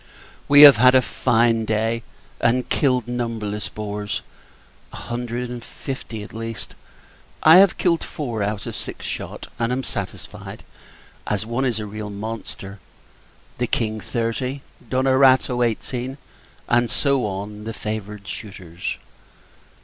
We have had a fine day, and killed numberless boars; a hundred and fifty, at least. I have killed four, out of six shot; and am satisfied, as one is a real monster the King, thirty D'Onerato, eighteen, and so on, the favoured shooters.